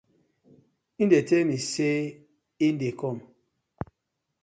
Him dey tey mi say im dey kom.